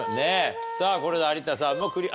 さあこれで有田さんもクリア。